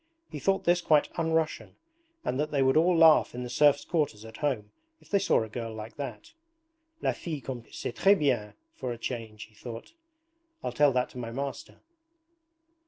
He thought this quite un Russian and that they would all laugh in the serfs' quarters at home if they saw a girl like that. 'La fille comme c'est tres bien, for a change,' he thought. 'I'll tell that to my master.'